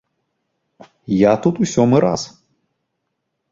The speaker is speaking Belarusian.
Я тут у сёмы раз.